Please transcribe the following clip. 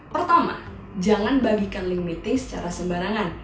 pertama jangan bagikan lin meeting secara sembarangan